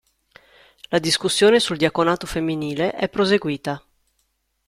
La discussione sul diaconato femminile è proseguita.